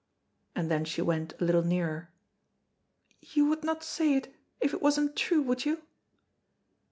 and then she went a little nearer. "You would not say it if it wasn't true, would you?"